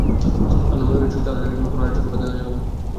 আমরা মনে করি, চুক্তির আওতা থেকে কোনো রাজ্যকে বাদ দেওয়া যাবে না।